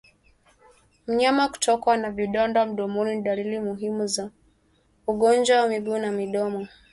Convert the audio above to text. Wanyama kutokwa na vidonda mdomoni ni dalili muhimu za ugonjwa wa miguu na mdomo